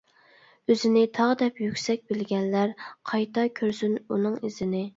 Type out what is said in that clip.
ئۆزىنى تاغ دەپ يۈكسەك بىلگەنلەر، قايتا كۆرسۇن ئۇنىڭ ئىزىنى.